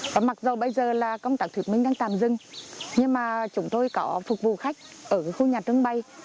và mặc dù bây giờ là công tác thuyệt minh đang tạm dưng nhưng mà chúng tôi có phục vụ khách ở khu nhà tương bay